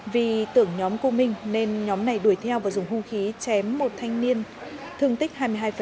vì tưởng nhóm cô minh nên nhóm này đuổi theo và dùng hung khí chém một thanh niên thương tích hai mươi hai